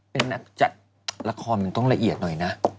เป็นนักจัดละครมันต้องละเอียดหน่อยนะ